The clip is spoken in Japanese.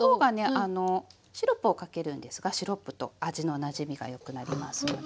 シロップをかけるんですがシロップと味のなじみがよくなりますので。